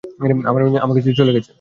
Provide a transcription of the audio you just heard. আমার মেয়ে আমাকে ছেড়ে চলে গেছে!